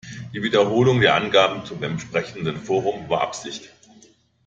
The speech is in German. Die Wiederholung der Angaben zum entsprechenden Forum war Absicht?